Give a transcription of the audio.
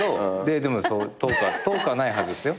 でも遠くはないはずっすよ。